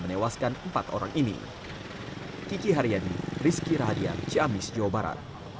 kecelakaan yang menewaskan empat orang ini